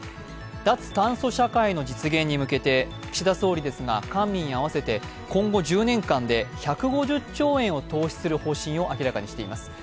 脱炭素社会の実現に向けて岸田総理ですが官民合わせて今後１０年間で１５０兆円を投資する方針を明らかにしています。